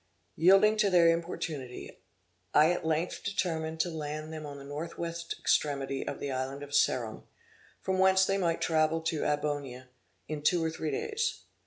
Yielding to their importunity, I at length determined to land them on the north west extremity of the island of Ceram, from whence they might travel to Amboyna in two or three days.